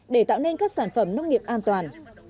để tạo nên các sản phẩm nông nghiệp an toàn